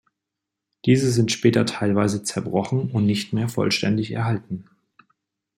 Diese sind später teilweise zerbrochen und nicht mehr vollständig erhalten.